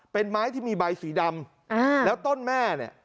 เป็นไม้ที่มีใบสีดำแล้วต้นแม่เนี่ย